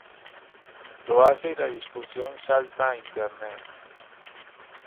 Lo hace, y la discusión salta a internet.